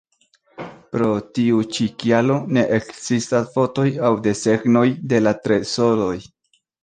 Pro tiu ĉi kialo, ne ekzistas fotoj aŭ desegnoj de la trezoroj.